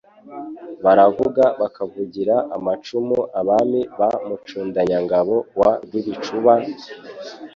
Baravuga bakavugira amacumu Abami ba Mucundanyangabo wa Rwibicuba,